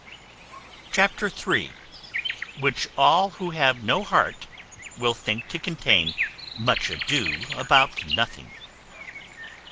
Chapter iii. Which all who have no heart will think to contain much ado about nothing.